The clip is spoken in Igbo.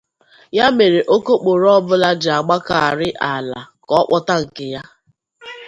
Ya mere okokporo ọbụla ji agbakarị ala ka ọ kpọta nke ya